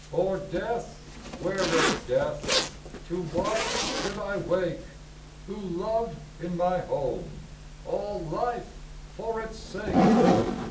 Or death were it death To what should I wake Who loved in my home All life for its sake?